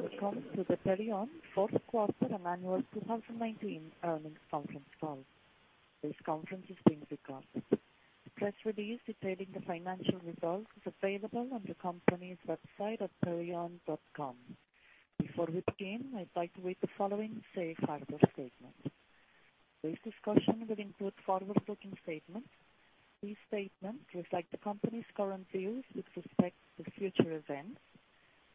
Welcome to the Perion fourth quarter and annual 2019 earnings conference call. This conference is being recorded. The press release detailing the financial results is available on the company's website at perion.com. Before we begin, I'd like to read the following safe harbor statement. This discussion will include forward-looking statements. These statements reflect the company's current views with respect to future events.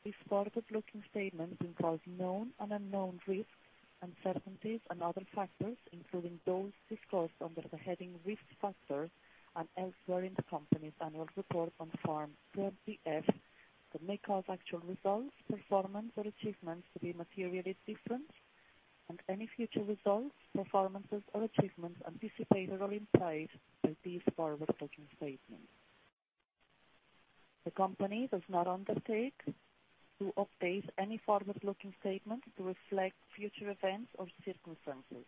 These forward-looking statements involve known and unknown risks, uncertainties, and other factors, including those discussed under the heading, Risk Factors, and elsewhere in the company's annual report on form 10-K, that may cause actual results, performance, or achievements to be materially different than any future results, performances, or achievements anticipated or implied by these forward-looking statements. The company does not undertake to update any forward-looking statement to reflect future events or circumstances.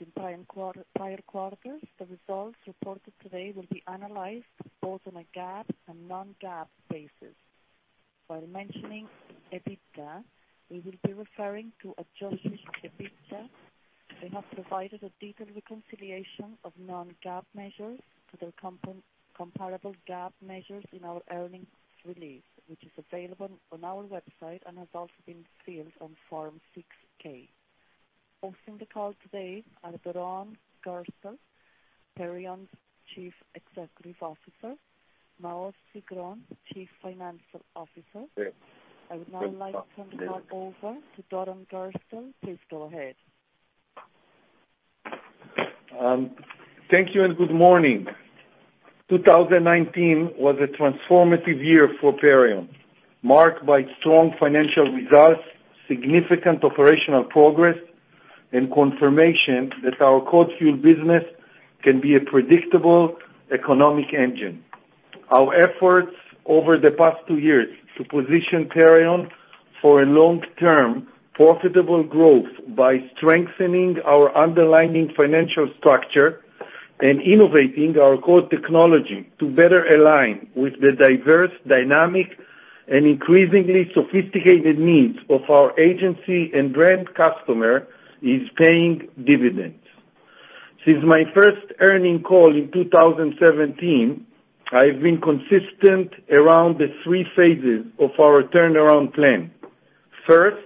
In prior quarters, the results reported today will be analyzed both on a GAAP and non-GAAP basis. While mentioning EBITDA, we will be referring to adjusted EBITDA. We have provided a detailed reconciliation of non-GAAP measures to their comparable GAAP measures in our earnings release, which is available on our website and has also been filed on Form 6-K. Hosting the call today are Doron Gerstel, Perion's Chief Executive Officer, Maoz Sigron, Chief Financial Officer. I would now like to hand the call over to Doron Gerstel. Please go ahead. Thank you. Good morning. 2019 was a transformative year for Perion, marked by strong financial results, significant operational progress, and confirmation that our CodeFuel business can be a predictable economic engine. Our efforts over the past two years to position Perion for a long-term profitable growth by strengthening our underlying financial structure and innovating our core technology to better align with the diverse dynamic and increasingly sophisticated needs of our agency and brand customer is paying dividends. Since my first earning call in 2017, I've been consistent around the three phases of our turnaround plan. First,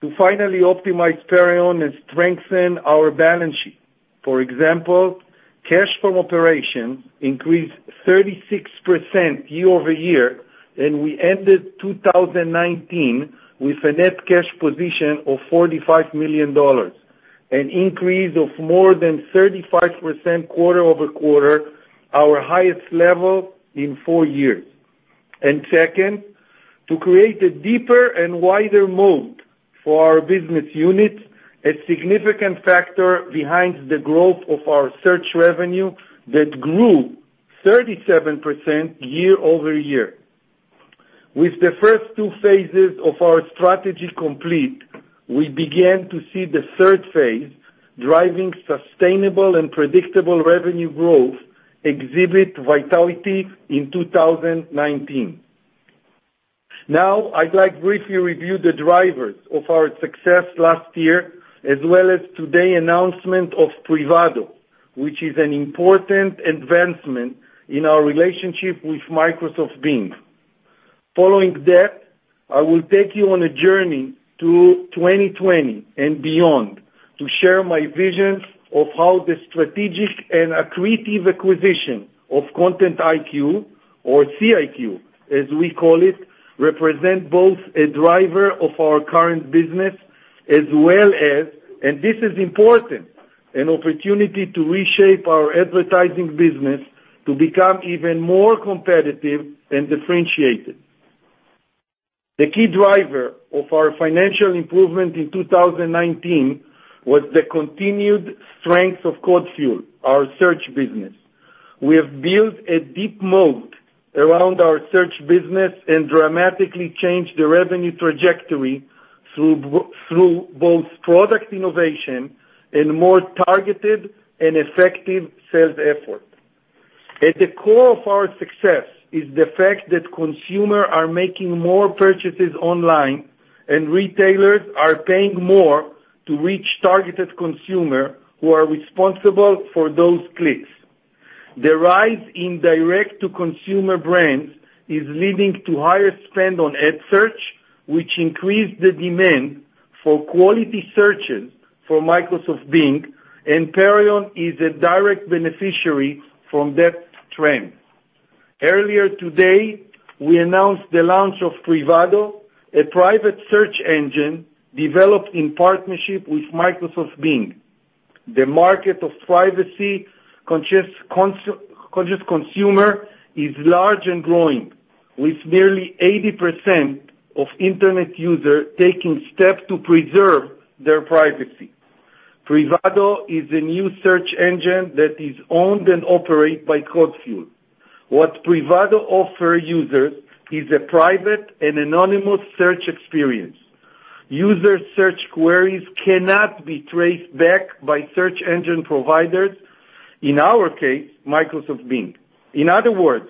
to finally optimize Perion and strengthen our balance sheet. For example, cash from operation increased 36% year-over-year, and we ended 2019 with a net cash position of $45 million, an increase of more than 35% quarter-over-quarter, our highest level in four years. Second, to create a deeper and wider moat for our business units, a significant factor behind the growth of our search revenue that grew 37% year-over-year. With the first two phases of our strategy complete, we began to see the third phase, driving sustainable and predictable revenue growth exhibit vitality in 2019. I'd like briefly review the drivers of our success last year, as well as today announcement of Privado, which is an important advancement in our relationship with Microsoft Bing. Following that, I will take you on a journey to 2020 and beyond to share my visions of how the strategic and accretive acquisition of Content IQ, or CIQ as we call it, represent both a driver of our current business as well as, and this is important, an opportunity to reshape our advertising business to become even more competitive and differentiated. The key driver of our financial improvement in 2019 was the continued strength of CodeFuel, our search business. We have built a deep moat around our search business and dramatically changed the revenue trajectory through both product innovation and more targeted and effective sales effort. At the core of our success is the fact that consumer are making more purchases online and retailers are paying more to reach targeted consumer who are responsible for those clicks. The rise in direct-to-consumer brands is leading to higher spend on ad search, which increase the demand for quality searches for Microsoft Bing, and Perion is a direct beneficiary from that trend. Earlier today, we announced the launch of Privado, a private search engine developed in partnership with Microsoft Bing. The market of privacy-conscious consumer is large and growing, with nearly 80% of Internet user taking steps to preserve their privacy. Privado is a new search engine that is owned and operated by CodeFuel. What Privado offer users is a private and anonymous search experience. User search queries cannot be traced back by search engine providers, in our case, Microsoft Bing. In other words,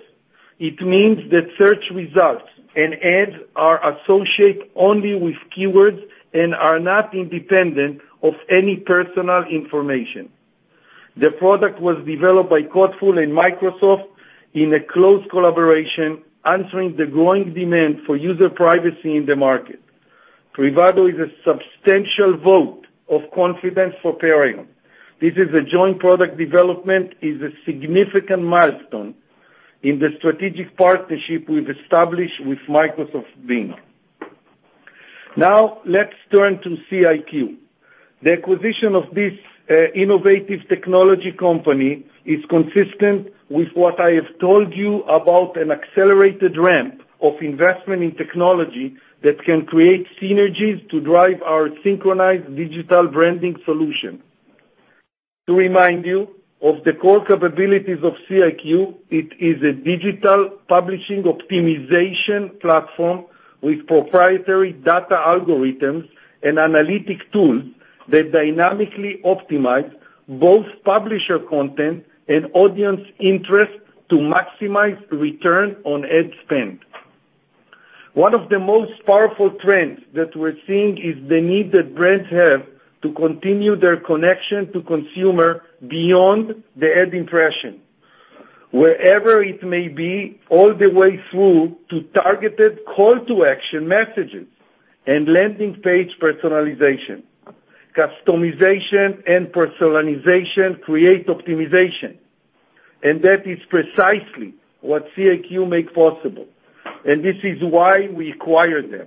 it means that search results and ads are associated only with keywords and are not independent of any personal information. The product was developed by CodeFuel and Microsoft in a close collaboration, answering the growing demand for user privacy in the market. Privado is a substantial vote of confidence for Perion. This is a joint product development, is a significant milestone in the strategic partnership we've established with Microsoft Bing. Now, let's turn to CIQ. The acquisition of this innovative technology company is consistent with what I have told you about an accelerated ramp of investment in technology that can create synergies to drive our synchronized digital branding solution. To remind you of the core capabilities of CIQ, it is a digital publishing optimization platform with proprietary data algorithms and analytic tools that dynamically optimize both publisher content and audience interest to maximize return on ad spend. One of the most powerful trends that we're seeing is the need that brands have to continue their connection to consumer beyond the ad impression. Wherever it may be, all the way through to targeted call-to-action messages and landing page personalization. Customization and personalization create optimization, that is precisely what CIQ make possible. This is why we acquired them.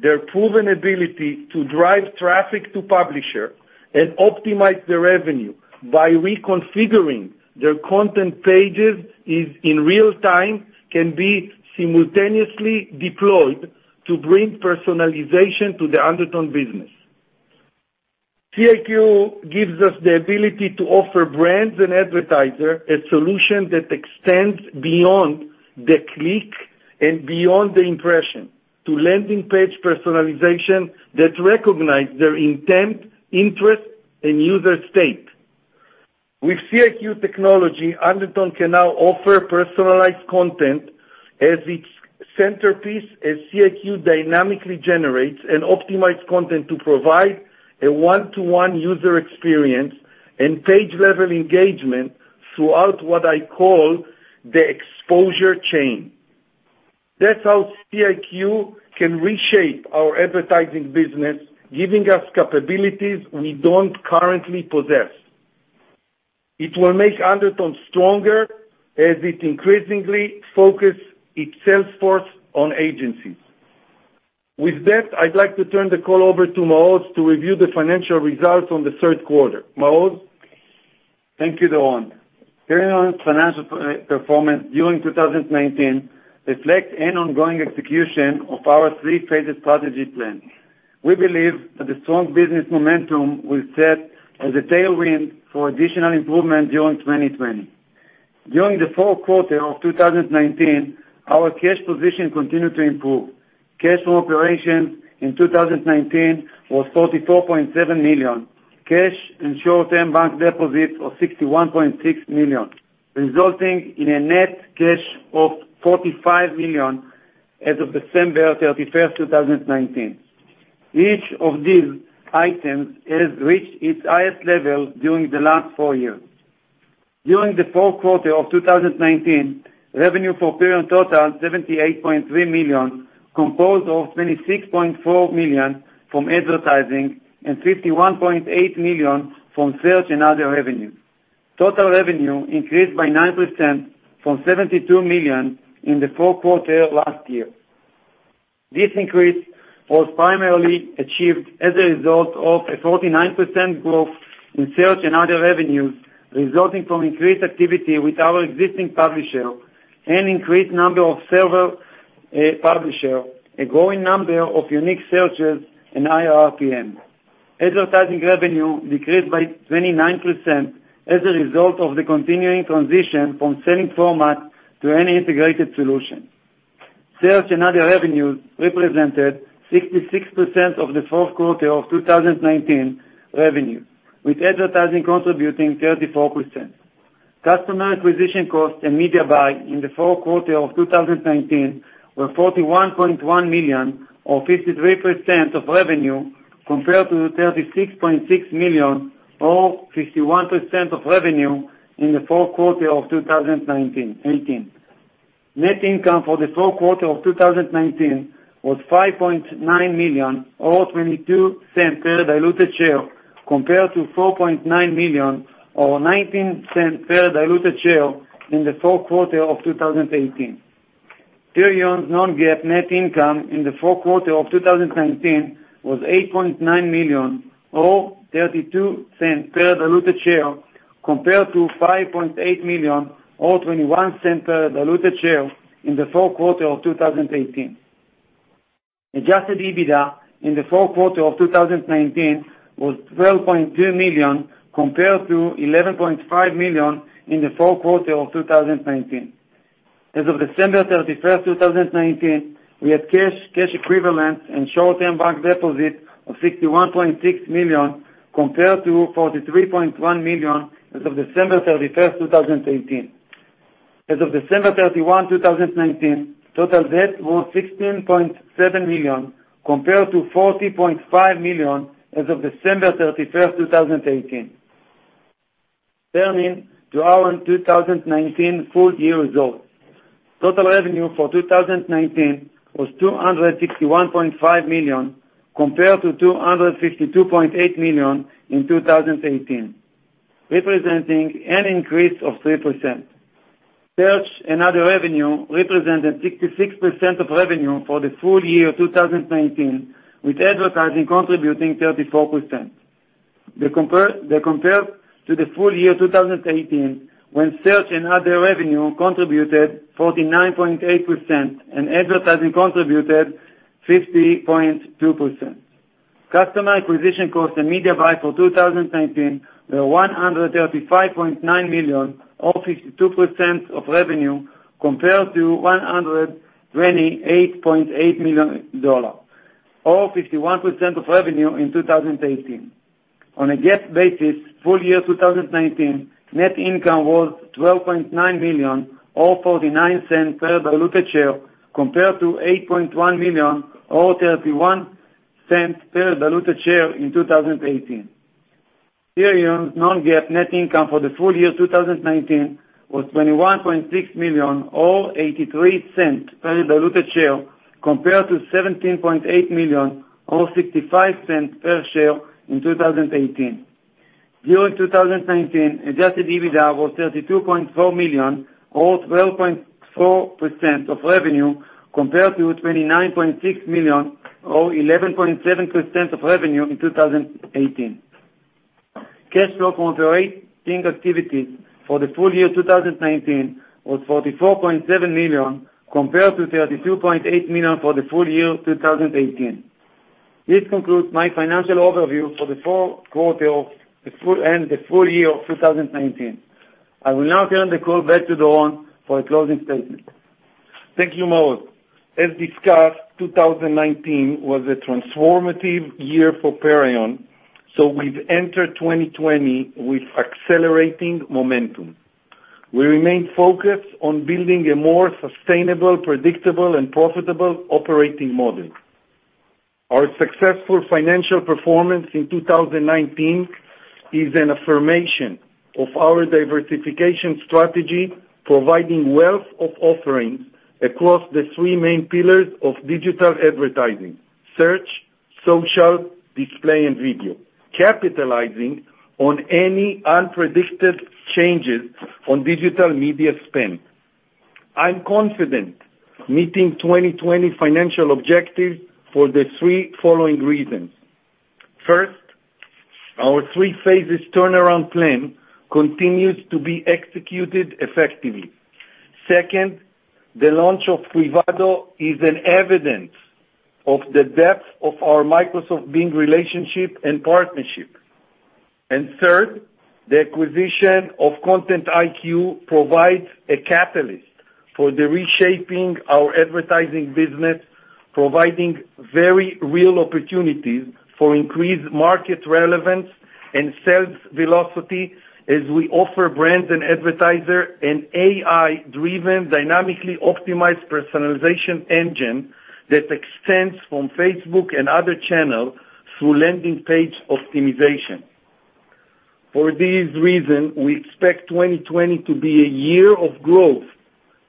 Their proven ability to drive traffic to publisher and optimize their revenue by reconfiguring their content pages in real-time, can be simultaneously deployed to bring personalization to the Undertone business. CIQ gives us the ability to offer brands and advertisers a solution that extends beyond the click and beyond the impression, to landing page personalization that recognize their intent, interest, and user state. With CIQ technology, Undertone can now offer personalized content as its centerpiece, as CIQ dynamically generates and optimize content to provide a one-to-one user experience and page-level engagement throughout what I call the exposure chain. That's how CIQ can reshape our advertising business, giving us capabilities we don't currently possess. It will make Undertone stronger as it increasingly focus its sales force on agencies. With that, I'd like to turn the call over to Maoz to review the financial results on the third quarter. Maoz? Thank you, Doron. Perion's financial performance during 2019 reflect an ongoing execution of our three-phased strategy plan. We believe that the strong business momentum will set as a tailwind for additional improvement during 2020. During the fourth quarter of 2019, our cash position continued to improve. Cash from operations in 2019 was $44.7 million. Cash and short-term bank deposits of $61.6 million, resulting in a net cash of $45 million as of December 31st, 2019. Each of these items has reached its highest level during the last four years. During the fourth quarter of 2019, revenue for Perion total, $78.3 million, composed of $26.4 million from advertising and $51.8 million from search and other revenues. Total revenue increased by 9% from $72 million in the fourth quarter last year. This increase was primarily achieved as a result of a 49% growth in search and other revenues, resulting from increased activity with our existing publisher and increased number of several publishers, a growing number of unique searches, and RPM. Advertising revenue decreased by 29% as a result of the continuing transition from selling format to an integrated solution. Search and other revenues represented 66% of the fourth quarter of 2019 revenue, with advertising contributing 34%. Customer acquisition costs and media buy in the fourth quarter of 2019 were $41.1 million or 53% of revenue, compared to $36.6 million or 51% of revenue in the fourth quarter of 2018. Net income for the fourth quarter of 2019 was $5.9 million or $0.22 per diluted share, compared to $4.9 million or $0.19 per diluted share in the fourth quarter of 2018. Perion's non-GAAP net income in the fourth quarter of 2019 was $8.9 million or $0.32 per diluted share, compared to $5.8 million or $0.21 per diluted share in the fourth quarter of 2018. Adjusted EBITDA in the fourth quarter of 2019 was $12.2 million, compared to $11.5 million in the fourth quarter of 2019. As of December 31st, 2019, we had cash equivalents, and short-term bank deposits of $61.6 million, compared to $43.1 million as of December 31st, 2018. As of December 31st, 2019, total debt was $16.7 million, compared to $40.5 million as of December 31st, 2018. Turning to our 2019 full-year results. Total revenue for 2019 was $261.5 million, compared to $252.8 million in 2018, representing an increase of 3%. Search and other revenue represented 66% of revenue for the full year 2019, with advertising contributing 34%. They compared to the full year 2018, when search and other revenue contributed 49.8% and advertising contributed 50.2%. Customer acquisition costs and media buy for 2019 were $135.9 million, or 52% of revenue, compared to $128.8 million, or 51% of revenue in 2018. On a GAAP basis, full-year 2019 net income was $12.9 million, or $0.49 per diluted share, compared to $8.1 million, or $0.31 per diluted share in 2018. Perion's non-GAAP net income for the full year 2019 was $21.6 million, or $0.83 per diluted share, compared to $17.8 million, or $0.65 per share in 2018. During 2019, adjusted EBITDA was $32.4 million, or 12.4% of revenue, compared to $29.6 million, or 11.7% of revenue in 2018. Cash flow from operating activities for the full year 2019 was $44.7 million, compared to $32.8 million for the full year 2018. This concludes my financial overview for the full quarter and the full year of 2019. I will now turn the call back to Doron for a closing statement. Thank you, Maoz. As discussed, 2019 was a transformative year for Perion. We've entered 2020 with accelerating momentum. We remain focused on building a more sustainable, predictable, and profitable operating model. Our successful financial performance in 2019 is an affirmation of our diversification strategy, providing wealth of offerings across the three main pillars of digital advertising; search, social, display, and video, capitalizing on any unpredicted changes on digital media spend. I'm confident meeting 2020 financial objectives for the three following reasons. First, our three phases turnaround plan continues to be executed effectively. Second, the launch of Privado is an evidence of the depth of our Microsoft Bing relationship and partnership. Third, the acquisition of Content IQ provides a catalyst for the reshaping our advertising business, providing very real opportunities for increased market relevance and sales velocity as we offer brands and advertisers an AI-driven, dynamically optimized personalization engine that extends from Facebook and other channels through landing page optimization. For these reasons, we expect 2020 to be a year of growth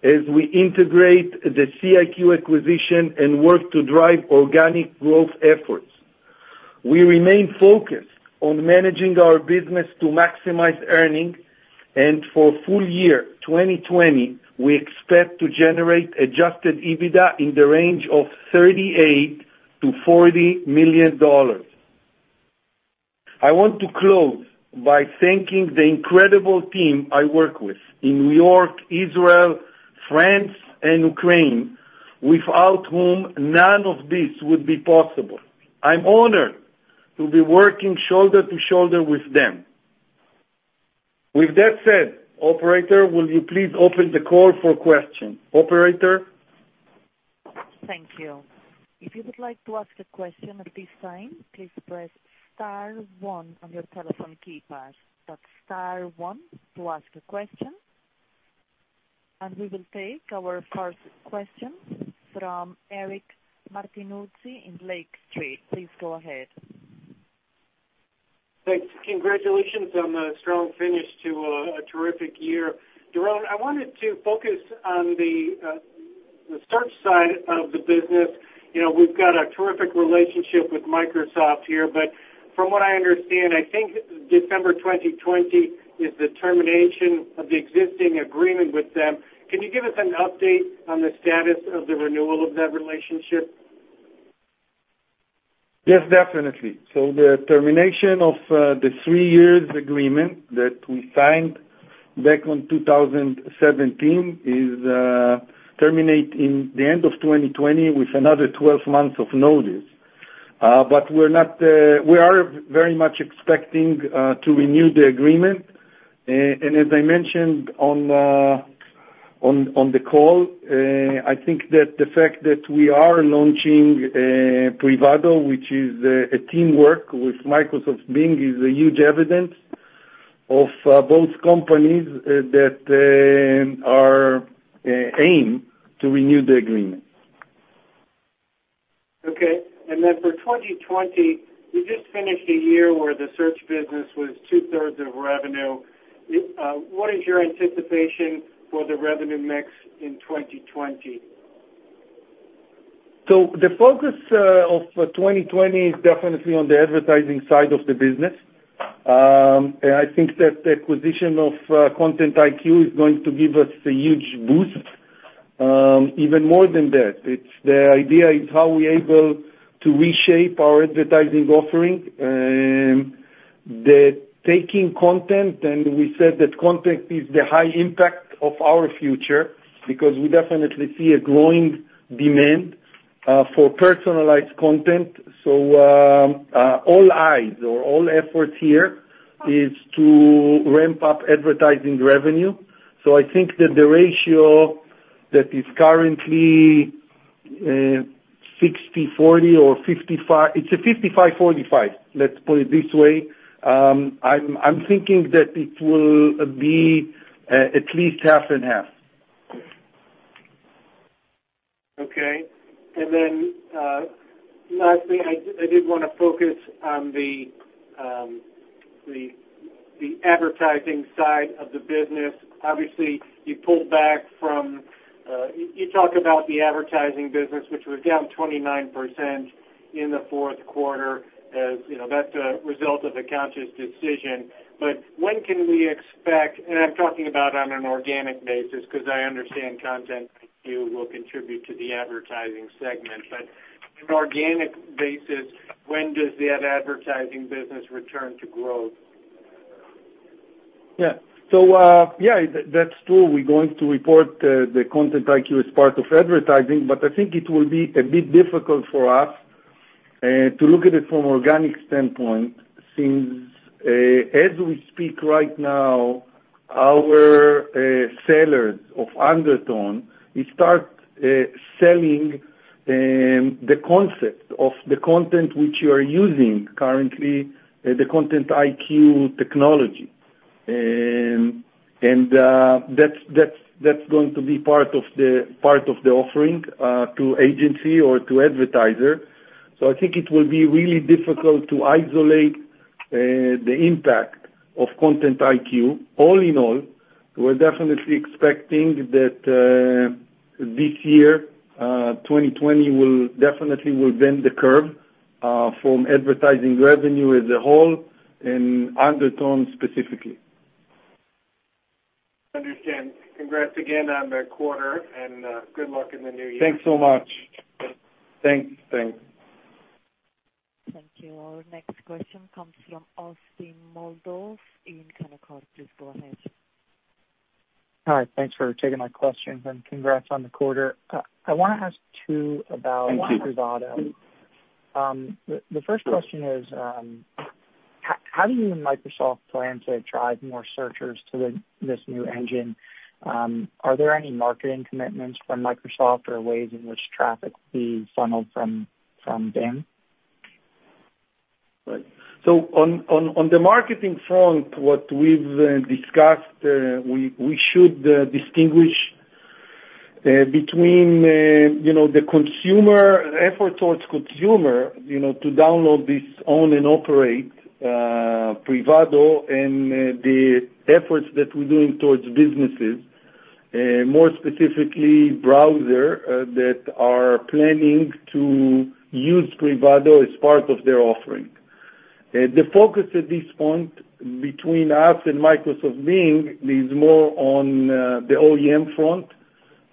as we integrate the CIQ acquisition and work to drive organic growth efforts. We remain focused on managing our business to maximize earnings, and for full year 2020, we expect to generate adjusted EBITDA in the range of $38 million-$40 million. I want to close by thanking the incredible team I work with in New York, Israel, France, and Ukraine, without whom none of this would be possible. I'm honored to be working shoulder-to-shoulder with them. With that said, operator, will you please open the call for questions? Operator? Thank you. If you would like to ask a question at this time, please press star one on your telephone keypad. That's star one to ask a question. We will take our first question from Eric Martinuzzi in Lake Street. Please go ahead. Thanks. Congratulations on a strong finish to a terrific year. Doron, I wanted to focus on the search side of the business. We've got a terrific relationship with Microsoft here. From what I understand, I think December 2020 is the termination of the existing agreement with them. Can you give us an update on the status of the renewal of that relationship? Yes, definitely. The termination of the three-year agreement that we signed back in 2017 terminates in the end of 2020 with another 12 months of notice. We are very much expecting to renew the agreement. As I mentioned on the call, I think that the fact that we are launching Privado, which is a teamwork with Microsoft Bing, is a huge evidence of both companies that are aimed to renew the agreement. Okay. For 2020, you just finished a year where the search business was two-thirds of revenue. What is your anticipation for the revenue mix in 2020? The focus of 2020 is definitely on the advertising side of the business. I think that the acquisition of Content IQ is going to give us a huge boost. Even more than that, the idea is how we able to reshape our advertising offering. The taking content, and we said that content is the high impact of our future because we definitely see a growing demand for personalized content. All eyes or all efforts here is to ramp up advertising revenue. I think that the ratio that is currently 60/40 or it's a 55/45, let's put it this way. I'm thinking that it will be at least half and half. Lastly, I did want to focus on the advertising side of the business. Obviously, you talk about the advertising business, which was down 29% in the fourth quarter, as you know, that's a result of a conscious decision. When can we expect, and I'm talking about on an organic basis, because I understand Content IQ will contribute to the advertising segment, but in organic basis, when does that advertising business return to growth? Yeah. That's true. We're going to report the Content IQ as part of advertising, but I think it will be a bit difficult for us to look at it from organic standpoint, since, as we speak right now, our sellers of Undertone, we start selling the concept of the content which you are using currently, the Content IQ technology. That's going to be part of the offering to agency or to advertiser. I think it will be really difficult to isolate the impact of Content IQ. All in all, we're definitely expecting that this year, 2020, will definitely bend the curve from advertising revenue as a whole and Undertone specifically. Understand. Congrats again on the quarter, and good luck in the new year. Thanks so much. Thanks. Thank you. Our next question comes from Austin Moldow in Canaccord. Please go ahead. Hi. Thanks for taking my questions, and congrats on the quarter. I want to ask two about. Thank you. Privado. The first question is, how do you and Microsoft plan to drive more searchers to this new engine? Are there any marketing commitments from Microsoft or ways in which traffic will be funneled from them? Right. On the marketing front, what we've discussed, we should distinguish between the effort towards consumer, to download this own and operate Privado and the efforts that we're doing towards businesses, more specifically, browsers that are planning to use Privado as part of their offering. The focus at this point between us and Microsoft Bing is more on the OEM front.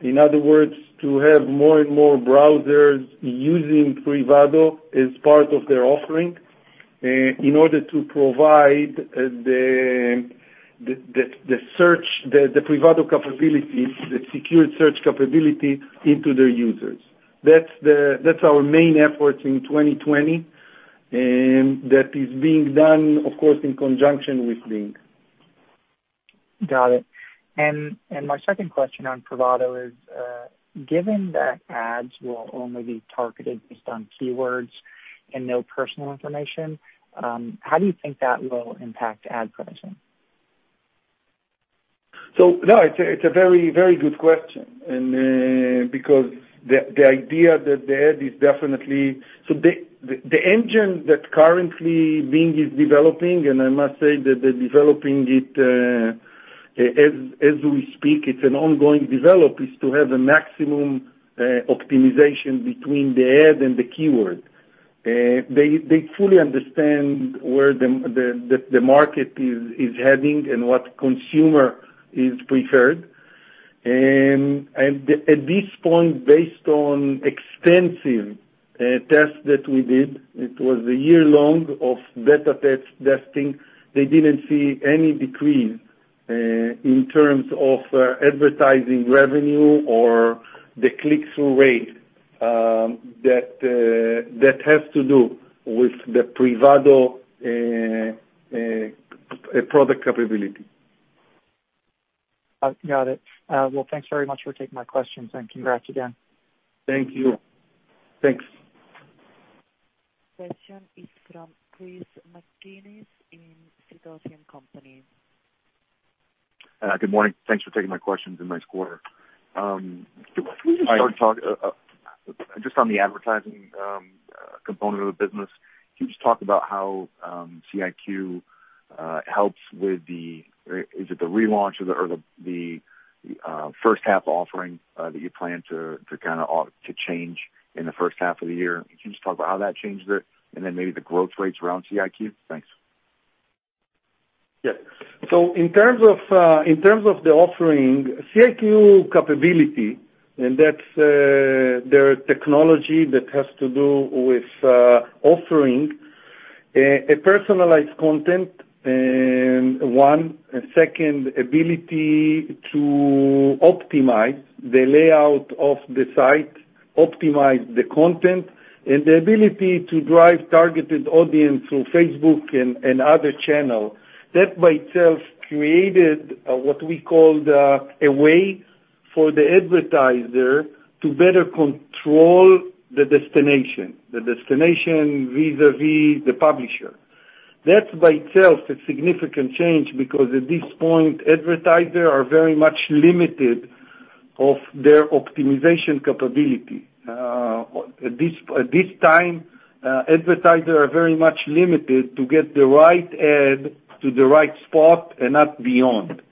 In other words, to have more and more browsers using Privado as part of their offering in order to provide the Privado capabilities, the secured search capability into their users. That's our main efforts in 2020. That is being done, of course, in conjunction with Bing. Got it. My second question on Privado is, given that ads will only be targeted based on keywords and no personal information, how do you think that will impact ad pricing? It's a very good question because the idea that the ad is the engine that currently Bing is developing, and I must say that they're developing it as we speak, it's an ongoing develop, is to have a maximum optimization between the ad and the keyword. They fully understand where the market is heading and what consumer is preferred. At this point, based on extensive tests that we did, it was a year-long of beta testing. They didn't see any decrease in terms of advertising revenue or the click-through rate, that has to do with the Privado product capability. Got it. Well, thanks very much for taking my questions. Congrats again. Thank you. Thanks. Question is from Chris McGinnis in Sidoti & Company. Good morning. Thanks for taking my questions and nice quarter. Hi. Just on the advertising component of the business, can you just talk about how CIQ helps with the? Is it the relaunch or the first half offering that you plan to change in the first half of the year? Can you just talk about how that changes it, and then maybe the growth rates around CIQ? Thanks. Yes. In terms of the offering, CIQ capability, and that's their technology that has to do with offering a personalized content, one. Second, ability to optimize the layout of the site, optimize the content, and the ability to drive targeted audience through Facebook and other channel. That by itself created what we call a way for the advertiser to better control the destination vis-a-vis the publisher. That by itself is a significant change because at this point, advertisers are very much limited of their optimization capability. At this time, advertisers are very much limited to get the right ad to the right spot and not beyond.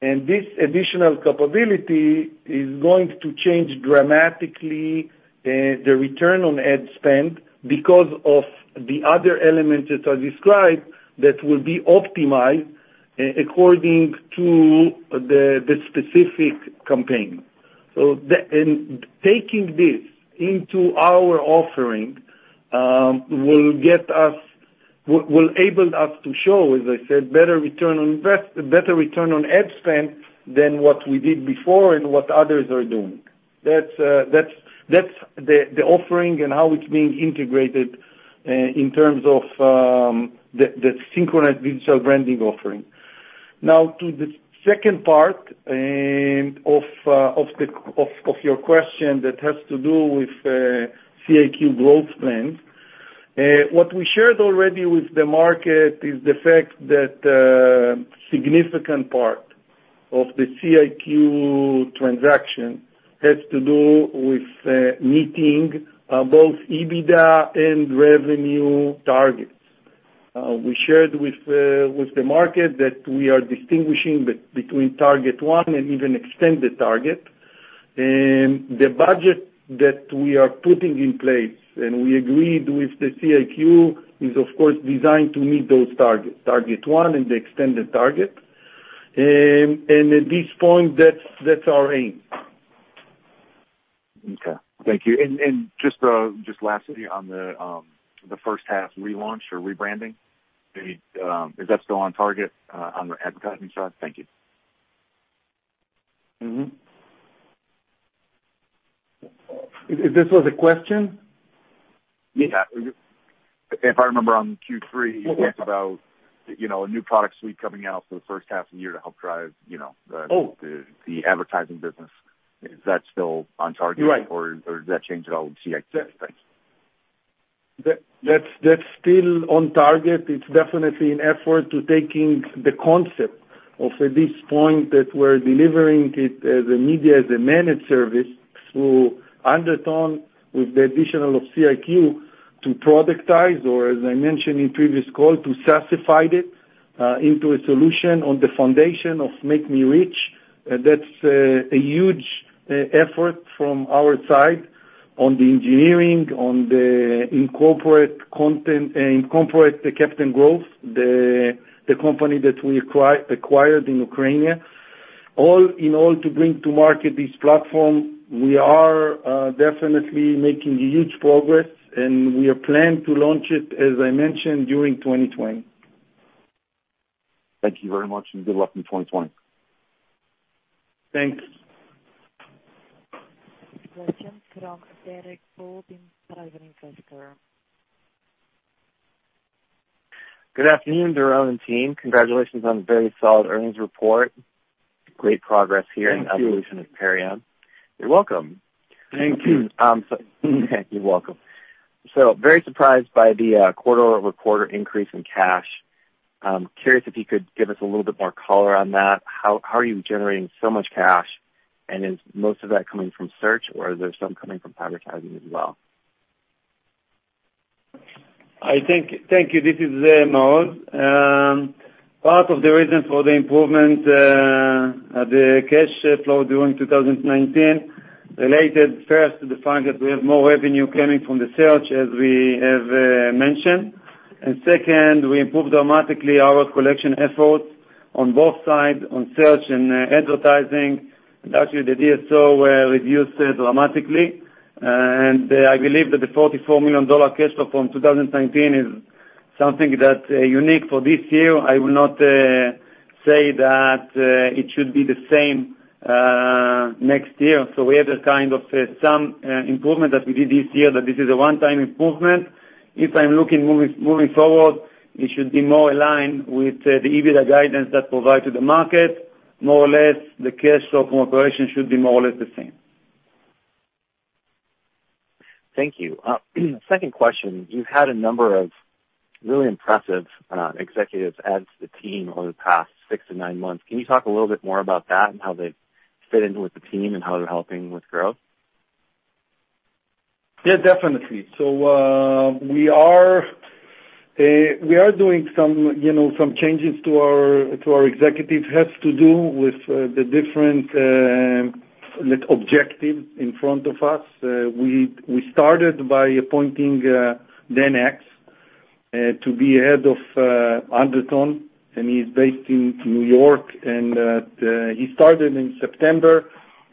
This additional capability is going to change dramatically the return on ad spend because of the other elements that I described that will be optimized according to the specific campaign. Taking this into our offering will enable us to show, as I said, better return on ad spend than what we did before and what others are doing. That's the offering and how it's being integrated in terms of the synchronized digital branding offering. To the second part of your question that has to do with CIQ growth plans. What we shared already with the market is the fact that a significant part of the CIQ transaction has to do with meeting both EBITDA and revenue targets. We shared with the market that we are distinguishing between target one and even extended target. The budget that we are putting in place, and we agreed with the CIQ, is of course designed to meet those targets, target one and the extended target. At this point, that's our aim. Okay. Thank you. Just lastly on the first half relaunch or rebranding, is that still on target on the advertising side? Thank you. Mm-hmm. Is this was a question? Yeah. If I remember on Q3, you talked about a new product suite coming out for the first half of the year to help drive-. Oh. The advertising business. Is that still on target? Right. Did that change at all with CIQ? Thanks. That's still on target. It's definitely an effort to taking the concept of, at this point, that we're delivering it as a media, as a managed service through Undertone with the addition of CIQ to productize or, as I mentioned in previous call, to SaaSify it into a solution on the foundation of MakeMeReach. That's a huge effort from our side on the engineering, on the incorporated content, and incorporate the Captain Growth, the company that we acquired in Ukraine. All in all, to bring to market this platform, we are definitely making huge progress, and we are planned to launch it, as I mentioned, during 2020. Thank you very much, and good luck in 2020. Thanks. Question from Derek Gold in Private Investor. Good afternoon, Doron and team. Congratulations on the very solid earnings report. Great progress here. Thank you. In evolution of Perion. You're welcome. Thank you. You're welcome. Very surprised by the quarter-over-quarter increase in cash. Curious if you could give us a little bit more color on that. How are you generating so much cash, and is most of that coming from search or is there some coming from advertising as well? Thank you. This is Maoz. Part of the reason for the improvement of the cash flow during 2019 related first to the fact that we have more revenue coming from the search, as we have mentioned. Second, we improved dramatically our collection efforts on both sides, on search and advertising. Actually, the DSO reduced dramatically, and I believe that the $44 million cash flow from 2019 is something that's unique for this year. I will not say that it should be the same next year. We have some improvement that we did this year, that this is a one-time improvement. If I'm looking moving forward, it should be more aligned with the EBITDA guidance that provide to the market, more or less, the cash flow from operations should be more or less the same. Thank you. Second question. You've had a number of really impressive executives adds to the team over the past six to nine months. Can you talk a little bit more about that and how they fit in with the team and how they're helping with growth? Yeah, definitely. We are doing some changes to our executive. It has to do with the different objectives in front of us. We started by appointing Dan Aks to be head of Undertone, and he's based in New York, and he started in September.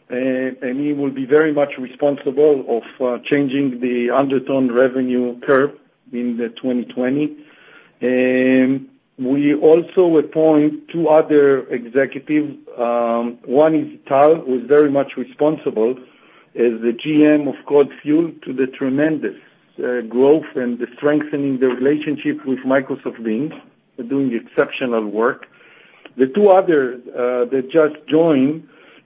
He will be very much responsible of changing the Undertone revenue curve in the 2020. We also appoint two other executives. One is Tal, who's very much responsible as the GM of CodeFuel to the tremendous growth and the strengthening the relationship with Microsoft Teams. They're doing exceptional work. The two others that just joined,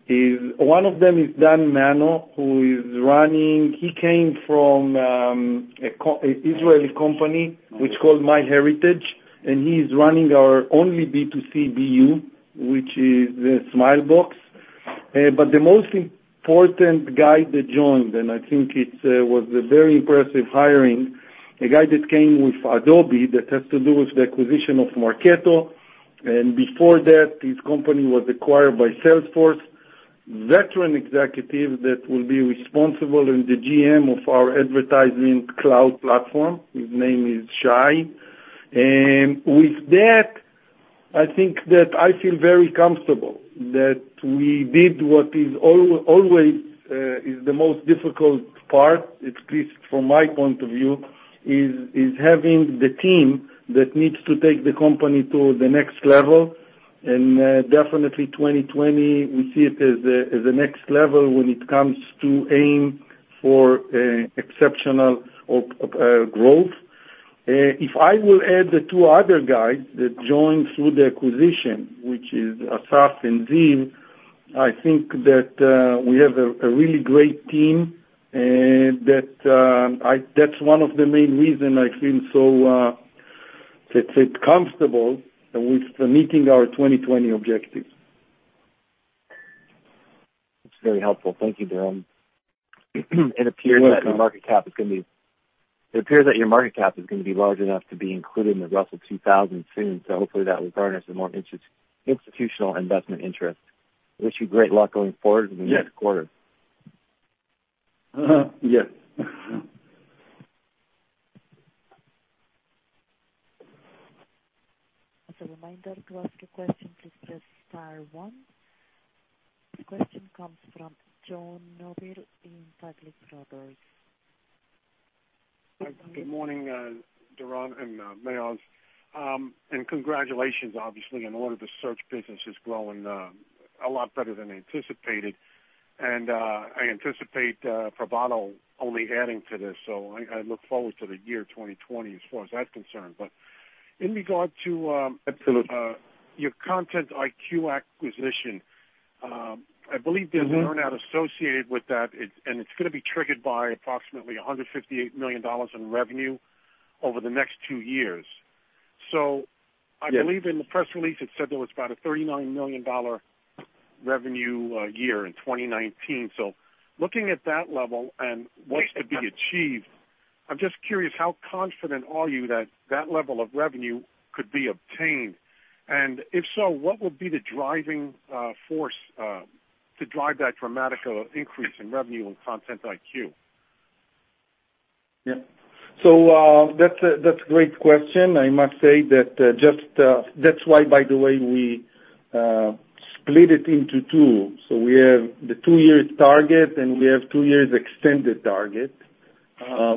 one of them is Dan Mano, he came from an Israeli company, which is called MyHeritage, and he's running our only B2C BU, which is Smilebox. The most important guy that joined, and I think it was a very impressive hiring, a guy that came with Adobe, that has to do with the acquisition of Marketo, and before that, his company was acquired by Salesforce. Veteran executive that will be responsible in the GM of our Advertising Cloud Platform. His name is Shai. With that, I think that I feel very comfortable that we did what is always the most difficult part, at least from my point of view, is having the team that needs to take the company to the next level. Definitely 2020, we see it as the next level when it comes to aim for exceptional growth. If I will add the two other guys that joined through the acquisition, which is Asaf and Ziv, I think that we have a really great team, and that's one of the main reason I feel so comfortable with meeting our 2020 objectives. That's very helpful. Thank you, Doron. It appears that your market cap is going to be large enough to be included in the Russell 2000 soon. Hopefully that will garner some more institutional investment interest. I wish you great luck going forward. Yes. In the next quarter. Yes. As a reminder, to ask a question, please press star one. The question comes from John Nobile in Public Brothers. Good morning, Doron and Maoz. Congratulations, obviously, in order the search business is growing a lot better than anticipated. I anticipate Privado only adding to this. I look forward to the year 2020 as far as that's concerned. In regard to. Absolutely. Your Content IQ acquisition, I believe there's earn-out associated with that, and it's going to be triggered by approximately $158 million in revenue over the next two years. I believe in the press release, it said there was about a $39 million revenue year in 2019. Looking at that level and what's to be achieved, I'm just curious, how confident are you that that level of revenue could be obtained? If so, what would be the driving force to drive that dramatic increase in revenue on Content IQ? Yeah. That's a great question. I must say that's why, by the way, we split it into two. We have the two years target, and we have two years extended target,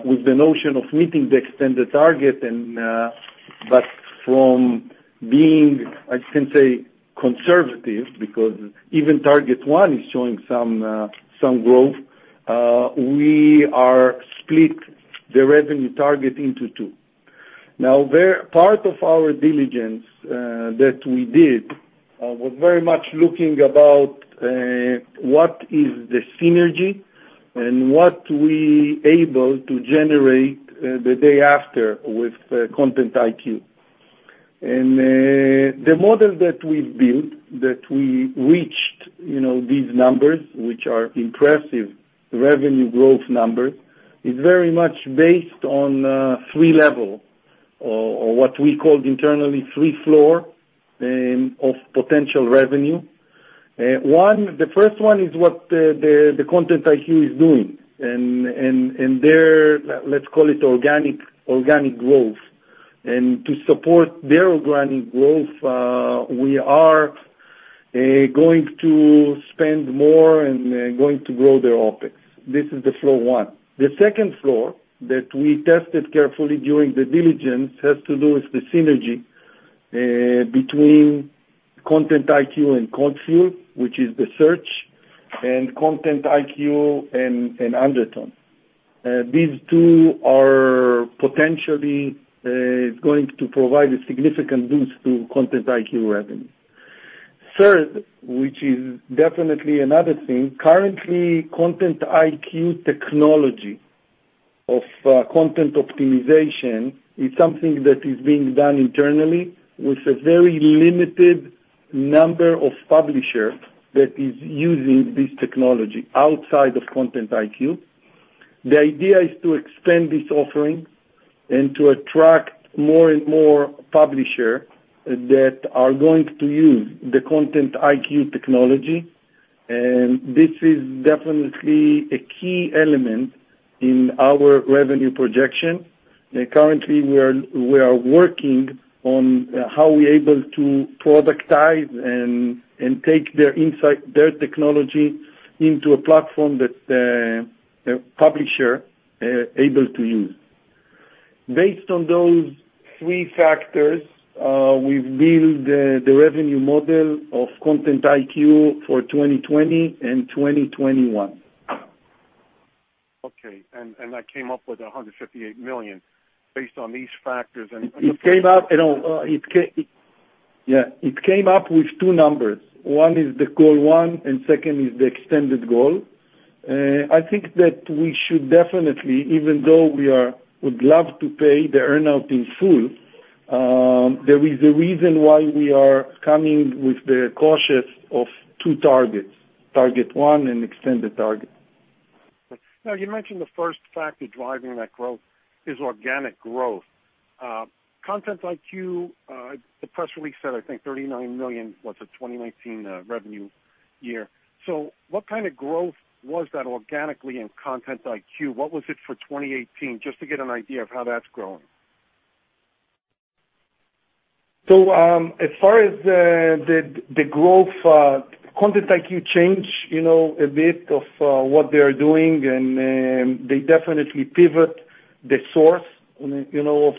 with the notion of meeting the extended target. From being, I can say, conservative, because even target one is showing some growth, we are split the revenue target into two. Part of our diligence that we did was very much looking about what is the synergy and what we able to generate the day after with Content IQ. The model that we've built, that we reached these numbers, which are impressive revenue growth numbers, is very much based on three level, or what we call internally, three floor of potential revenue. The first one is what the ContentIQ is doing, and their, let's call it, organic growth. To support their organic growth, we are going to spend more and going to grow their OpEx. This is the floor one. The second floor that we tested carefully during the diligence has to do with the synergy between ContentIQ and CodeFuel, which is the search, and ContentIQ and Undertone. These two are potentially going to provide a significant boost to ContentIQ revenue. Third, which is definitely another thing, currently, ContentIQ technology of content optimization is something that is being done internally with a very limited number of publishers that are using this technology outside of ContentIQ. The idea is to extend this offering and to attract more and more publishers that are going to use the ContentIQ technology. This is definitely a key element in our revenue projection. Currently, we are working on how we are able to productize and take their technology into a platform that a publisher is able to use. Based on those three factors, we've built the revenue model of Content IQ for 2020 and 2021. Okay. That came up with $158 million based on these factors. Yeah. It came up with two numbers. One is the goal one, and second is the extended goal. I think that we should definitely, even though we would love to pay the earn-out in full, there is a reason why we are coming with the cautious of two targets, target one and extended target. You mentioned the first factor driving that growth is organic growth. Content IQ, the press release said, I think $39 million was a 2019 revenue year. What kind of growth was that organically in Content IQ? What was it for 2018? Just to get an idea of how that's growing. As far as the growth, ContentIQ changed a bit of what they're doing, and they definitely pivot the source of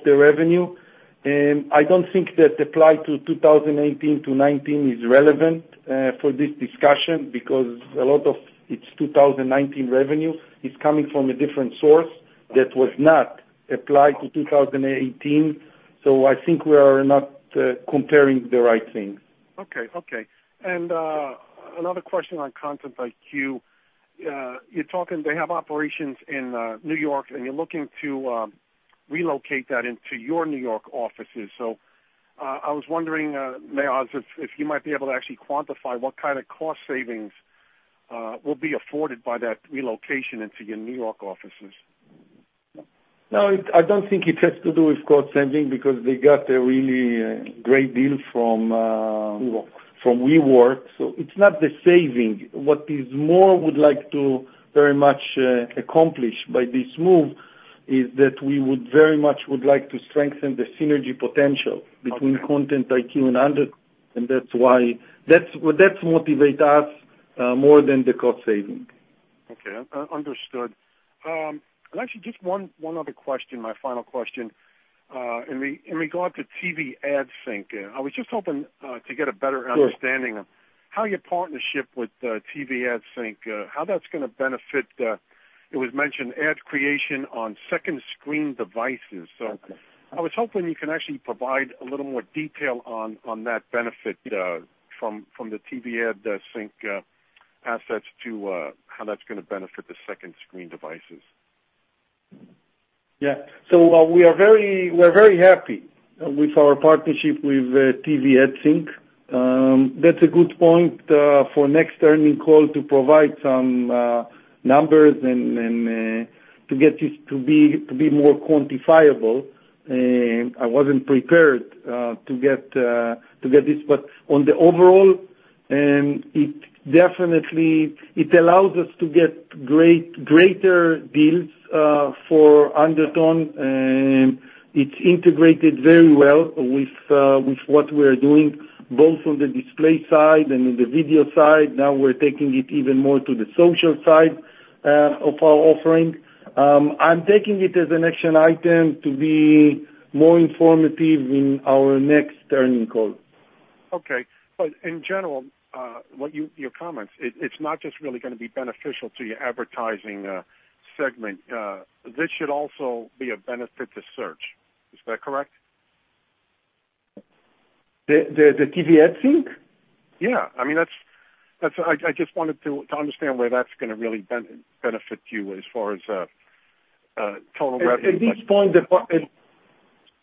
the revenue. I don't think that apply to 2018 to 2019 is relevant for this discussion because a lot of its 2019 revenue is coming from a different source that was not applied to 2018. I think we are not comparing the right things. Okay. Another question on Content IQ. You're talking, they have operations in New York, and you're looking to relocate that into your New York offices. I was wondering, Maoz, if you might be able to actually quantify what kind of cost savings will be afforded by that relocation into your New York offices. No, I don't think it has to do with cost-saving because they got a really great deal. WeWork. From WeWork, so it's not the saving. What is more would like to very much accomplish by this move is that we would very much like to strengthen the synergy potential between Content IQ and Undertone. That motivates us more than the cost saving. Okay. Understood. Actually, just one other question, my final question. In regard to TVadSync, I was just hoping to get a better understanding of how your partnership with TVadSync, how that's going to benefit, it was mentioned ad creation on second screen devices. I was hoping you can actually provide a little more detail on that benefit from the TVadSync assets to how that's going to benefit the second screen devices. Yeah. We are very happy with our partnership with TVadSync. That's a good point for next earnings call to provide some numbers and to get this to be more quantifiable. I wasn't prepared to get this, but on the overall, it allows us to get greater deals for Undertone, and it's integrated very well with what we're doing, both on the display side and on the video side. We're taking it even more to the social side of our offering. I'm taking it as an action item to be more informative in our next earnings call. Okay. In general, your comments, it's not just really going to be beneficial to your advertising segment. This should also be a benefit to search. Is that correct? The TVadSync? I just wanted to understand where that's going to really benefit you as far as total revenue.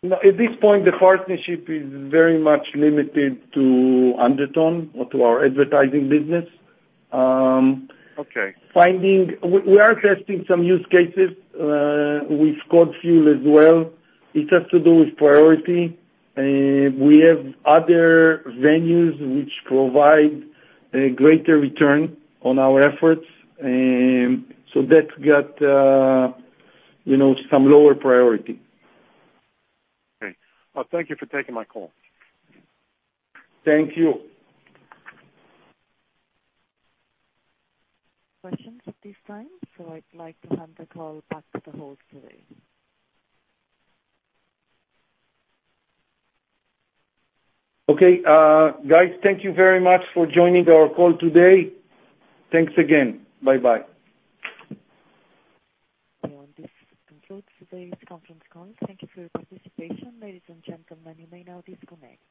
At this point, the partnership is very much limited to Undertone or to our advertising business. Okay. We are testing some use cases with CodeFuel as well. It has to do with priority. We have other venues that provide a greater return on our efforts, so that got some lower priority. Great. Well, thank you for taking my call. Thank you. Questions at this time, I'd like to hand the call back to the host today. Okay. Guys, thank you very much for joining our call today. Thanks again. Bye-bye. This concludes today's conference call. Thank you for your participation. Ladies and gentlemen, you may now disconnect.